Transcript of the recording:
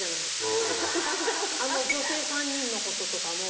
⁉女性３人のこととかも。